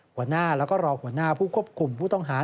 หัวหน้าแล้วก็รองหัวหน้าผู้ควบคุมผู้ต้องหา